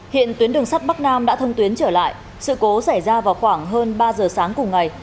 hiện tuyến đường sắt bắc nam đã thông tuyến trở lại sự cố xảy ra vào khoảng hơn ba giờ sáng cùng ngày